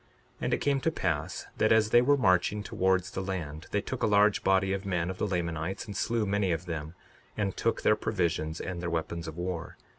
62:15 And it came to pass that as they were marching towards the land, they took a large body of men of the Lamanites, and slew many of them, and took their provisions and their weapons of war.